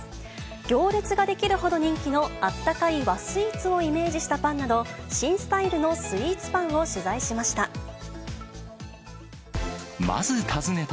行列が出来るほど人気のあったかい和スイーツをイメージしたパンなど、新スタイルのスイーツパンを取材しました。